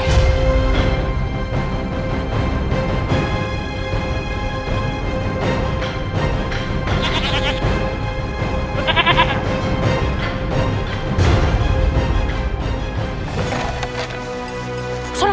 gak twaga aja